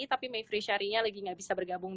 tapi mayfri syari lagi nggak bisa bergabung